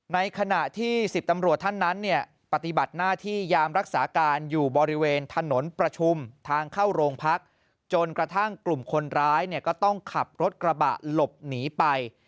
ในขณะที่๑๐ตำรวจท่านนั้นเนี่ยปฏิบัติหน้าที่ยามรักษาการอยู่บริเวณถนนประชุมทางเข้าโรงพักจนกระทั่งกลุ่มคนร้ายเนี่ยก็ต้องขับรถกระบะหลบหนีไป